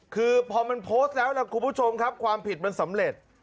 คือพอมันโพสต์แล้วล่ะคุณผู้ชมครับความผิดมันสำเร็จ